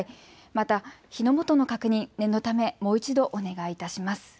また火の元の確認、念のためもう一度お願いいたします。